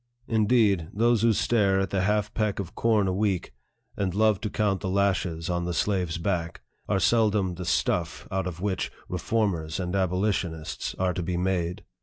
Indeed, those who stare at the half peck of corn a week, and love to count the lashes on the slave's back, are seldom the "stuff" out of which reformers and abolitionists are to be made.